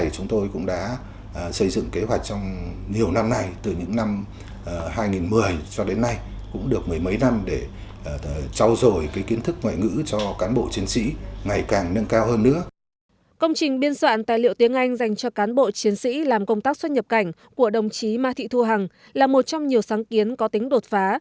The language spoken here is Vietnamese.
công trình biên soạn tài liệu tiếng anh dành cho cán bộ chiến sĩ làm công tác xuất nhập cảnh của đồng chí ma thị thu hằng là một trong nhiều sáng kiến có tính đột phá